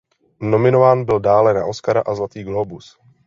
Nominován byl dále na Oscara a Zlatý glóbus.